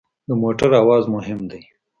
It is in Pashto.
د موټر اواز مهم دی.